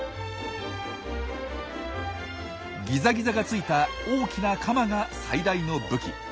ギザギザがついた大きなカマが最大の武器。